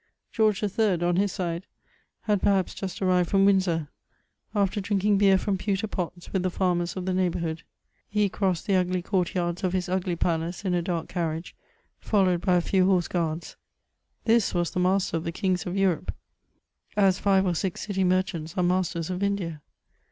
George III., on his side, had perhaps just arrived from Windsor, after drinking beer from pewter pots with the farmers of the neighbourhood ; he crossed the ugly court yards of his ugly palace in a dark carriage, followed by a few horse guards ; this was the master of the kings of Europe, as five or six city merchants are masters of India.